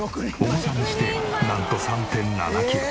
重さにしてなんと３．７キロ。